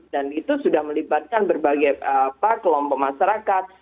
dan itu sudah melibatkan berbagai kelompok masyarakat